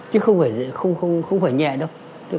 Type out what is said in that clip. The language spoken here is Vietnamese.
chứ không phải nhẹ đâu